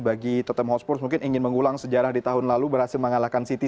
bagi totem hotspurs mungkin ingin mengulang sejarah di tahun lalu berhasil mengalahkan city